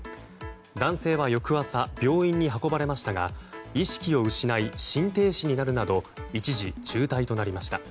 男性は翌朝病院に運ばれましたが意識を失い心停止になるなど一時、重体となりました。